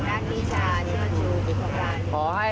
สัมปเวศีวิญญาณเล่ลอนทั้งหลาย